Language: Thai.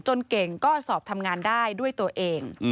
เก่งก็สอบทำงานได้ด้วยตัวเอง